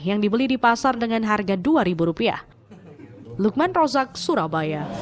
yang dibeli di pasar dengan harga rp dua